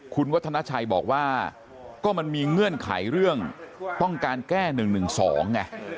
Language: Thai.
คุณวัฒนาชัยบอกว่าก็มันมีเงื่อนไขเรื่องต้องการแก้๑๑๒ไง